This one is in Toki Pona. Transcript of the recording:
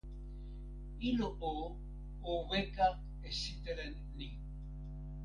ilo o, o weka e sitelen ni.